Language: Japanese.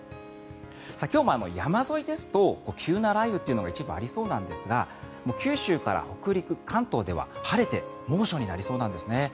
今日も山沿いですと急な雷雨というのが一部ありそうなんですが九州から北陸、関東では晴れて猛暑になりそうなんですね。